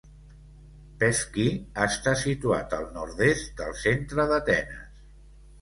Pefki està situat al nord-est del centre d'Atenes.